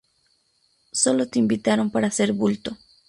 Solo te invitaron para hacer bulto